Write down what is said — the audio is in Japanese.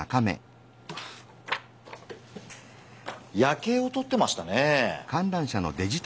夜けいをとってましたね。